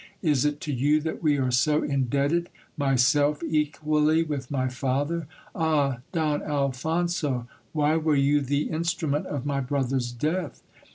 Is it to you that we are so indebted, myself equally with my father ? Ah ! Don Alphonso, why were you the instru ment of my brother's death